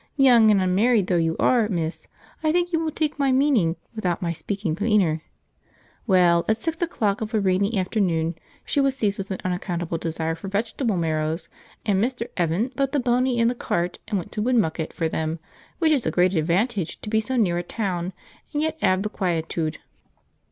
Young and unmarried though you are, miss, I think you will tyke my meaning without my speaking plyner? Well, at six o'clock of a rainy afternoon, she was seized with an unaccountable desire for vegetable marrows, and Mr. 'Eaven put the pony in the cart and went to Woodmucket for them, which is a great advantage to be so near a town and yet 'ave the quietude."